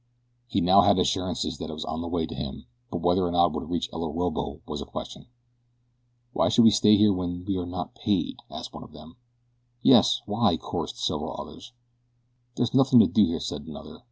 He now had assurances that it was on the way to him; but whether or not it would reach El Orobo was a question. "Why should we stay here when we are not paid?" asked one of them. "Yes, why?" chorused several others. "There is nothing to do here," said another.